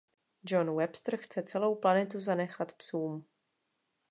Jon Webster chce celou planetu zanechat Psům.